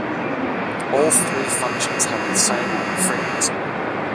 All three functions have the same frequency.